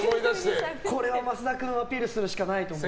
これは増田君をアピールするしかないと思って。